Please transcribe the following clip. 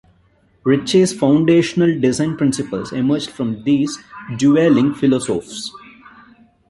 Ritchey's foundational design principles emerged from these dueling philosophes.